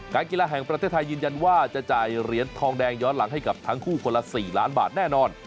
กีฬาแห่งประเทศไทยยืนยันว่าจะจ่ายเหรียญทองแดงย้อนหลังให้กับทั้งคู่คนละ๔ล้านบาทแน่นอน